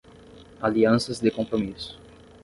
Alianças de compromisso